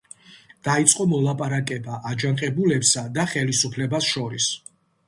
დაიწყო მოლაპარაკება აჯანყებულებსა და ხელისუფლებას შორის.